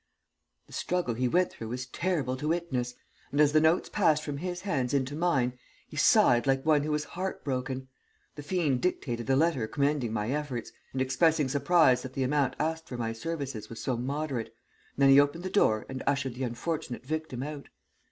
The struggle he went through was terrible to witness, and as the notes passed from his hands into mine he sighed like one who was heart broken. The fiend dictated the letter commending my efforts, and expressing surprise that the amount asked for my services was so moderate, and then he opened the door and ushered the unfortunate victim out.